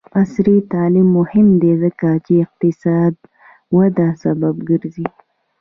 عصري تعلیم مهم دی ځکه چې اقتصادي وده سبب ګرځي.